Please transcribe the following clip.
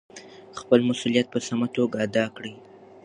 خپل مسؤلیت په سمه توګه ادا کړئ.